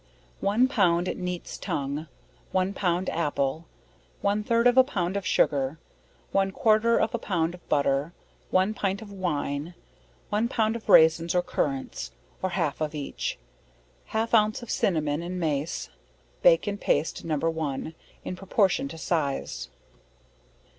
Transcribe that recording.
One pound neat's tongue, one pound apple, one third of a pound of Sugar, one quarter of a pound of butter, one pint of wine, one pound of raisins, or currants, (or half of each) half ounce of cinnamon and mace bake in paste No. 1, in proportion to size.